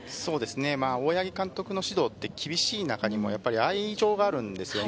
大八木監督の指導は厳しい中にも愛情があるんですよね。